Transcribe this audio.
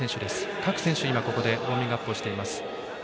各選手がここでウォームアップをしています。